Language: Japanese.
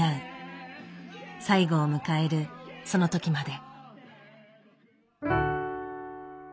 最後を迎えるその時まで。